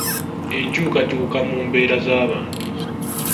Enkyukakyuka mu mbeera z’abantu